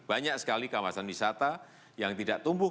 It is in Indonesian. banyak sekali kawasan wisata yang tidak tumbuh